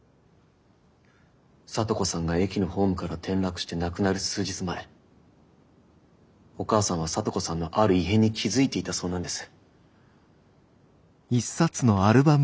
咲都子さんが駅のホームから転落して亡くなる数日前お母さんは咲都子さんのある異変に気付いていたそうなんです。